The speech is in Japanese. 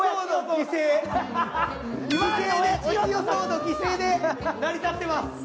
お家賃予想の犠牲で成り立ってます。